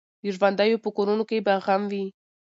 د ژوندیو په کورونو کي به غم وي